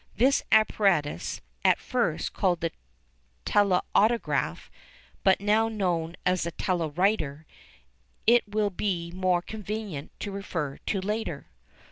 This apparatus, at first called the telautograph, but now known as the telewriter, it will be more convenient to refer to later.